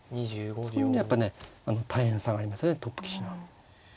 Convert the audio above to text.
そういうねやっぱね大変さがありますねトップ棋士は。